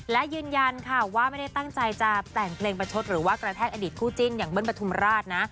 และยืนยันค่ะว่าไม่ได้ตั้งใจจะแต่งเพลงประชดหรือว่ากระแทกอดีตคู่จิ้นอย่างเบิ้ลปฐุมราชนะ